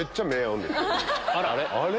あれ？